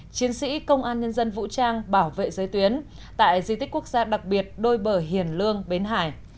chiến sĩ công an nhân dân vũ trang bảo vệ giới tuyến tại di tích quốc gia đặc biệt đôi bờ hiền lương bến hải